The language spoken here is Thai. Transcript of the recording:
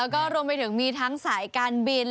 แล้วก็รวมไปถึงมีทั้งสายการบิน